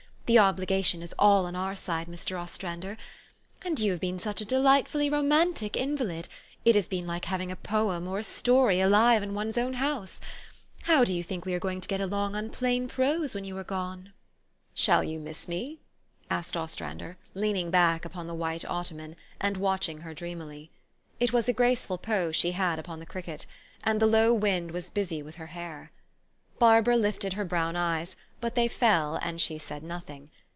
The obligation is all on our side, Mr. Ostrander. And you have been such a delightfully romantic invalid, it has been like having a poem or a story alive in one's own house. How do you think we are going to get along on plain prose when you are gone? "" Shall you miss me? " asked Ostrander, leaning back upon the white ottoman, and watching her dreamily. It was a graceful pose she had upon the cricket ; and the low wind was busy with her hair. Barbara lifted her brown eyes ; but they fell, and she said nothing.